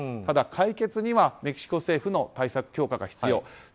ただ、解決にはメキシコ政府の対策強化が必要。